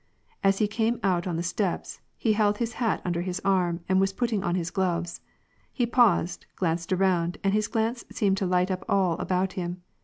As he came out on the steps, he held his hat under his arm and was putting on his gloves. He paused, glanced around, and his glance seemed to light up all about him.